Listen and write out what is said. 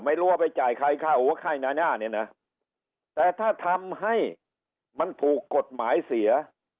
ไม่รั่วไปจ่ายอะไรไหนแต่ถ้าทำให้มันถูกกฎหมายเสีย